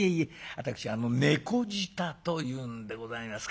私猫舌というんでございますか。